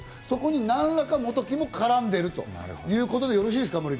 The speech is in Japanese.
そこに何らか本木も絡んでいるということでよろしいですか？